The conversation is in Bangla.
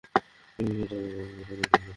এ বিষয়টিও আমি প্রকাশ করতে চাচ্ছিলাম না।